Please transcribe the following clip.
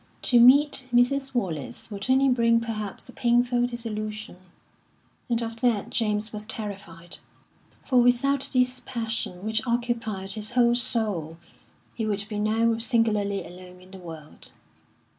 To meet Mrs. Wallace would only bring perhaps a painful disillusion; and of that James was terrified, for without this passion which occupied his whole soul he would be now singularly alone in the world.